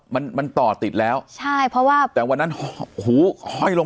มันมันต่อติดแล้วใช่เพราะว่าแต่วันนั้นหูห้อยลง